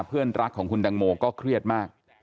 เพื่อนรักของคุณตังโมก็เครียดมาก